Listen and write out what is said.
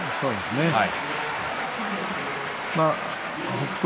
北勝